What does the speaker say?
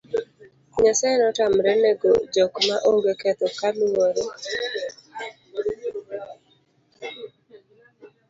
Nyasaye notamre nego jok ma onge ketho kaluwowechequran, negong'atomaokokosoenachielkuomrichomadongo